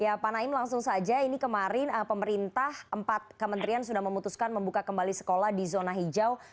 ya pak naim langsung saja ini kemarin pemerintah empat kementerian sudah memutuskan membuka kembali sekolah di zona hijau